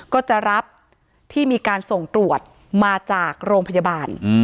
ก็จะรับที่มีการส่งตรวจมาจากโรงพยาบาล